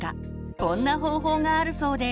こんな方法があるそうです。